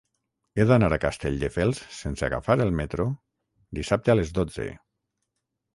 He d'anar a Castelldefels sense agafar el metro dissabte a les dotze.